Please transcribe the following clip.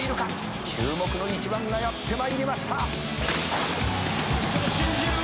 「注目の一番がやってまいりました」